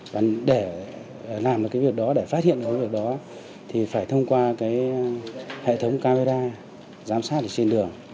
và để làm được cái việc đó để phát hiện cái việc đó thì phải thông qua cái hệ thống camera giám sát ở trên đường